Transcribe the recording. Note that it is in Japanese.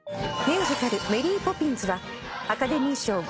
ミュージカル『メリー・ポピンズ』はアカデミー賞